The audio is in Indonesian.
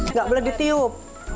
nggak boleh ditiup